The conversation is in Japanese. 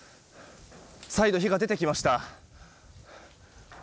再度、火が出てきました。